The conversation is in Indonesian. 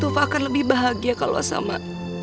sufa akan lebih bahagia kalau sama